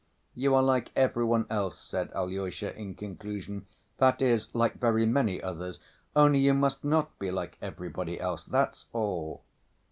"You are like every one else," said Alyosha, in conclusion, "that is, like very many others. Only you must not be like everybody else, that's all."